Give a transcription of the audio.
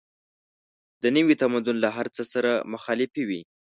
د نوي تمدن له هر څه سره مخالفې وې.